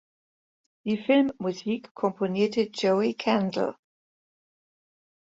Die Filmmusik komponierte Joey Kendall.